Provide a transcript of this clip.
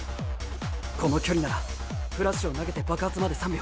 この距離ならフラッシュを投げて爆発まで３秒